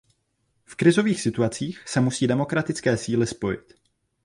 V krizových situacích se musí demokratické síly spojit.